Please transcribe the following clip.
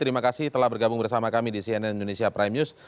terima kasih telah bergabung bersama kami di cnn indonesia prime news